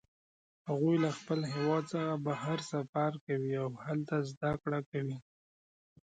هغوی له خپل هیواد څخه بهر سفر کوي او هلته زده کړه کوي